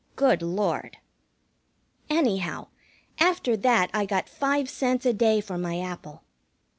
Good Lord! Anyhow, after that I got five cents a day for my apple.